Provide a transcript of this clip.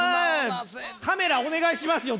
カメラお願いしますよ